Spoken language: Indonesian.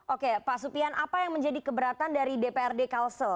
oke pak supian apa yang menjadi keberatan dari dprd kalsel